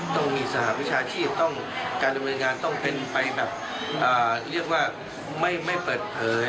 ต้องมีสหรับวิชาชีพการดูลงานงานต้องเป็นแบบเรียกว่าไม่เปิดเหลย